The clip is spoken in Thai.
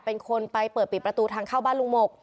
เป็นคนไปเปิดปิดประตูทางเข้าบ้านลุงหมก